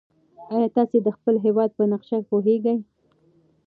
ایا تاسي د خپل هېواد په نقشه پوهېږئ؟